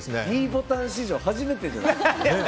ｄボタン史上初めてじゃない？